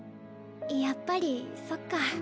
やっぱりそっか。